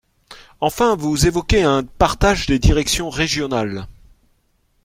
Enfin, vous évoquez un partage des directions régionales.